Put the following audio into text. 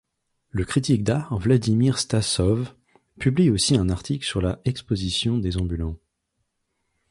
Le critique d'art Vladimir Stassov publie aussi un article sur la exposition des Ambulants.